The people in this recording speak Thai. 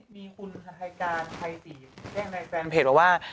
มีคุณภัยการไพรตีแก้งในแฟนเพจว่า